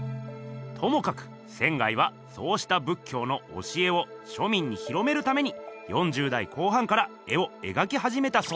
ともかく仙はそうした仏教の教えを庶民に広めるために４０代後半から絵をえがきはじめたそうです。